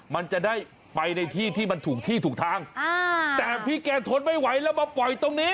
มันจะได้ไปในที่ที่มันถูกที่ถูกทางแต่พี่แกทนไม่ไหวแล้วมาปล่อยตรงนี้